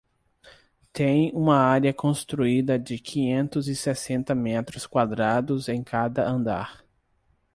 Tem uma área construída de quinhentos e sessenta metros quadrados em cada andar.